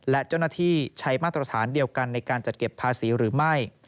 และเจ้าหน้าที่ใช้มาตรฐานเดียวกันในการจัดเก็บภาษีหรือไม่